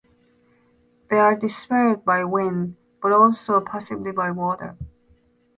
They are dispersed by wind but also possibly by water.